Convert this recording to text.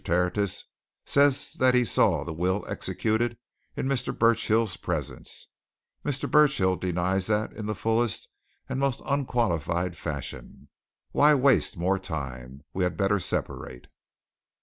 Tertius says that he saw the will executed in Mr. Burchill's presence; Mr. Burchill denies that in the fullest and most unqualified fashion. Why waste more time? We had better separate."